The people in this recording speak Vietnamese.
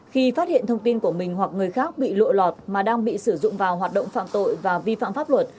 khi phát hiện thông tin của mình hoặc người khác bị lộ lọt mà đang bị sử dụng vào hoạt động phạm tội và vi phạm pháp luật